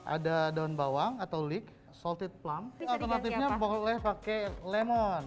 ada daun bawang atau leek salted plum atau alternatifnya boleh pakai lemon